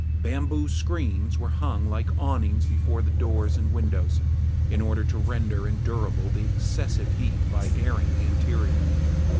Bamboo screens were hung like awnings before the doors and windows, in order to render endurable the excessive heat by airing the interior.